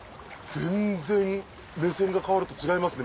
全然目線が変わると違いますね